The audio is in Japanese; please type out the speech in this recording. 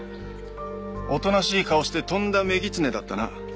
おとなしい顔してとんだ女狐だったな。